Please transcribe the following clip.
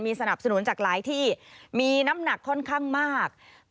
สนับสนุนจากหลายที่มีน้ำหนักค่อนข้างมาก